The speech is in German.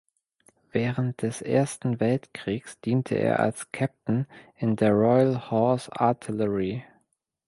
Während des Ersten Weltkriegs diente er als Captain in der Royal Horse Artillery.